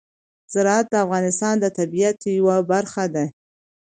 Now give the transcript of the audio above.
زراعت د افغانستان د طبیعت یوه برخه ده.